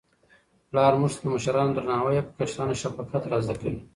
پلار موږ ته د مشرانو درناوی او په کشرانو شفقت را زده کوي.